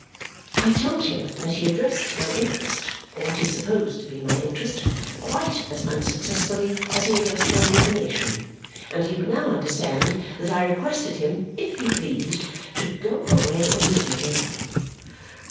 I told him that he addressed my interest or what he supposed to be my interest quite as unsuccessfully as he addressed my inclination, and he would now understand that I requested him, if he pleased, to go away immediately.